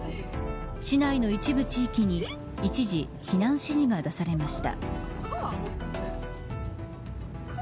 市内の一部地域に一時避難指示が出されました。